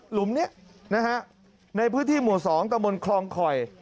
หลุมเนี่ยนะฮะในพื้นที่หมวด๒ตะบนคลองคอย